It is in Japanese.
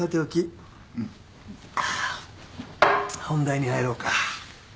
本題に入ろうか。